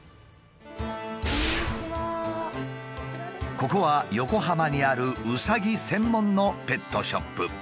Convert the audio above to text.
ここは横浜にあるうさぎ専門のペットショップ。